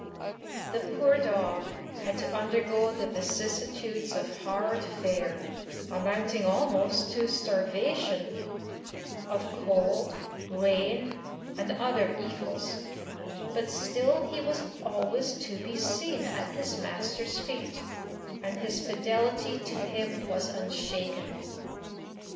The poor dog had to undergo the vicissitudes of hard fare, amounting almost to starvation, of cold, rain, and other evils, but still he was always to be seen at his master's feet, and his fidelity to him was unshaken.